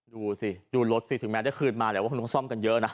ดูสิดูรถสิถึงแม้ได้คืนมาแต่ว่าคุณต้องซ่อมกันเยอะนะ